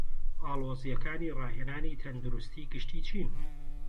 ئاڵۆزیەکانی ڕاهێنانی تەندروستی گشتی چین؟